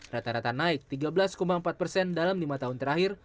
rata rata naik tiga belas empat persen dalam lima tahun terakhir